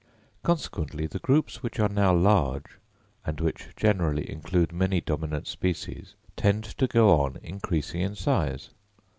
Consequently the groups which are now large, and which generally include many dominant species, tend to go on increasing in size.